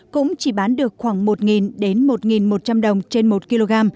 cũng chỉ bán được khoảng một đến một một trăm linh đồng trên một kg